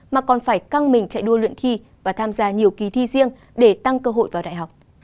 mà còn phải căng mình chạy đua luyện thi và tham gia nhiều kỳ thi riêng để tăng cơ hội vào đại học